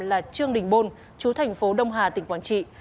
là trương đình bôn chú thành phố đông hà tỉnh quảng trị